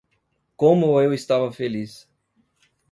Como eu estava feliz